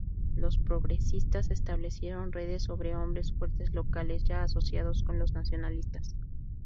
Los Progresistas establecieron redes sobre hombres fuertes locales ya asociados con los nacionalistas.